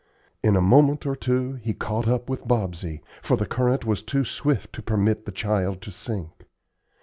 In a moment or two he caught up with Bobsey, for the current was too swift to permit the child to sink.